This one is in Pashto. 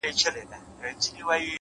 ښه فکر ښه عمل زېږوي؛